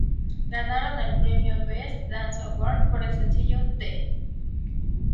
Ganaron el premio "Best Dance Award" por el sencillo "The".